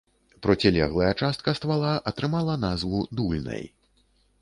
Процілеглая частка ствала атрымала назву дульнай.